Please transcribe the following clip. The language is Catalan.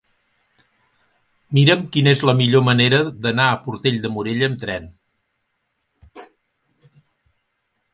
Mira'm quina és la millor manera d'anar a Portell de Morella amb tren.